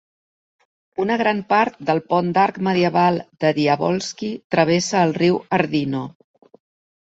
Una gran part del pont d'arc medieval de Diavolski travessa el riu Ardino.